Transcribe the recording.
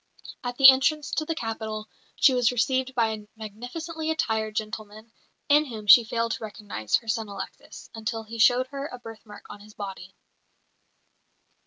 At the entrance to the capital she was received by a magnificently attired gentleman, in whom she failed to recognise her son Alexis, until he showed her a birthmark on his body.